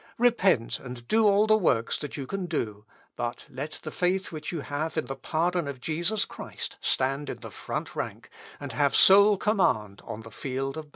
Repent, and do all the works that you can do; but let the faith which you have in the pardon of Jesus Christ stand in the front rank, and have sole command on the field of battle."